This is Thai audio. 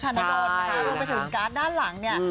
ถ้าเราไปถึงการ์ดด้านหลังเนี่ย